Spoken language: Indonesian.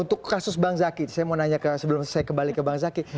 untuk kasus bang zaky saya mau nanya sebelum saya kembali ke bang zaky